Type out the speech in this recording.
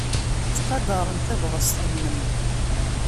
Ttqadaren tabɣest-nnem.